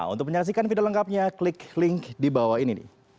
untuk menyaksikan video lengkapnya klik link di bawah ini